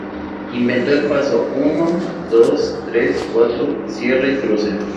Inventó el paso "un, dos, tres, cuatro, cierre y cruce".